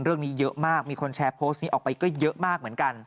หรือยังไงเกิดอะไรขึ้น